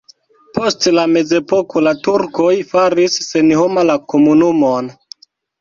Post la mezepoko la turkoj faris senhoma la komunumon.